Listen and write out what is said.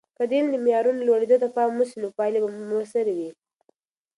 که د علم د معیارونو لوړیدو ته پام وسي، نو پایلې به موثرې وي.